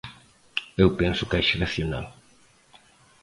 Eu penso que é xeracional.